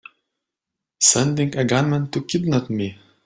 Sending a gunman to kidnap me!